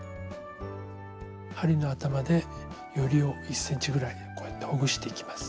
針の頭でよりを１ｃｍぐらいこうやってほぐしていきます。